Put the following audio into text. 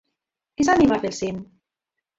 Qui s'anima a fer el cim?